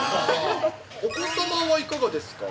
お子様はいかがですか。